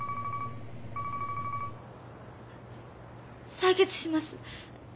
採血します。